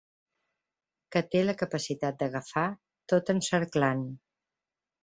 Que té la capacitat d'agafar, tot encerclant.